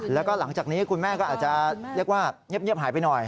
แล้วก็หลังจากนี้คุณแม่ก็อาจจะเรียกว่าเงียบหายไปหน่อย